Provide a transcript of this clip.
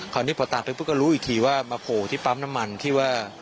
คราวนี้พอตามไปปุ๊บก็รู้อีกทีว่ามาโผล่ที่ปั๊มน้ำมันที่ว่า